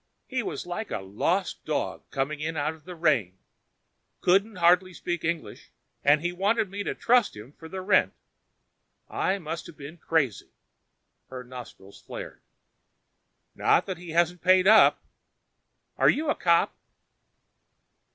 "He was like a lost dog coming in out of the rain. Couldn't hardly speak English and he wanted me to trust him for the rent. I must have been crazy." Her nostrils flared. "Not that he hasn't paid up. Are you a cop?"